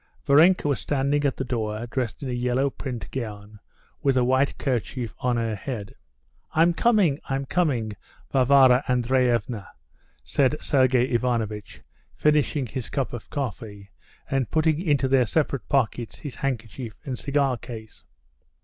Varenka was standing at the door, dressed in a yellow print gown, with a white kerchief on her head. "I'm coming, I'm coming, Varvara Andreevna," said Sergey Ivanovitch, finishing his cup of coffee, and putting into their separate pockets his handkerchief and cigar case.